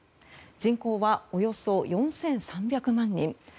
人口はおよそ４３００万人。